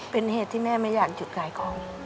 เป็นเหตุที่แม่ไม่อยากจุดขายของ